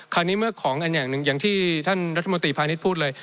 เมื่อของอันอย่างหนึ่งอย่างที่ท่านรัฐมนตรีพาณิชย์พูดเลย